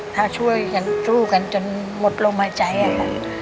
ถ้าช่วยกันสู้กันจนหมดลมหายใจค่ะ